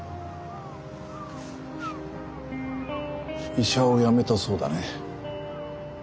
医者をやめたそうだね。